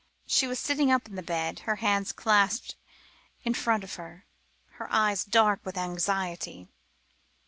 She was sitting up in the bed, her hands clasped in front of her, her eyes dark with anxiety.